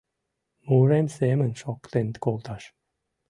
Мурем семын шоктен колташ